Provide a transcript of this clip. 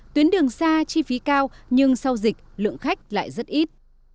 tuyến đường xa chi phí cao nhưng sau dịch lượng khách lại rất ít